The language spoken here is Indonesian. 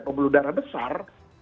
pembuluh darah besar